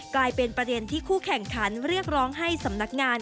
กลายเป็นประเด็นที่คู่แข่งขันเรียกร้องให้สำนักงาน